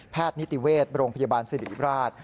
นิติเวชโรงพยาบาลสิริราช